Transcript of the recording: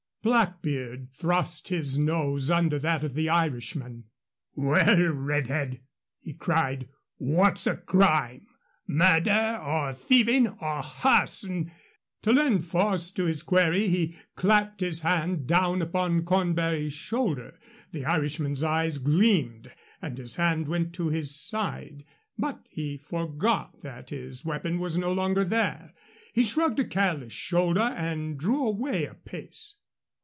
Blackbeard thrust his nose under that of the Irishman. "Well, Redhead," he cried, "wot's the crime? Murder or thieving or harson?" To lend force to his query he clapped his hand down upon Cornbury's shoulder. The Irishman's eyes gleamed and his hand went to his side, but he forgot that his weapon was no longer there. He shrugged a careless shoulder and drew away a pace.